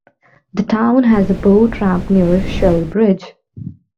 The town has a boat ramp near Schell Bridge.